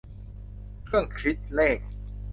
เครื่องคิดเลข